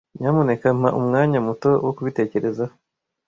Nyamuneka mpa umwanya muto wo kubitekerezaho.